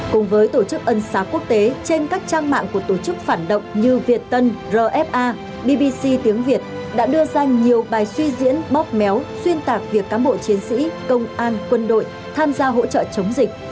cùng với tổ chức ân xá quốc tế trên các trang mạng của tổ chức phản động như việt tân rfa bbc tiếng việt đã đưa ra nhiều bài suy diễn bóp méo xuyên tạc việc cám bộ chiến sĩ công an quân đội tham gia hỗ trợ chống dịch